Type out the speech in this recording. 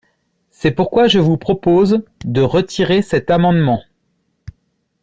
C’est pourquoi je vous propose de retirer cet amendement.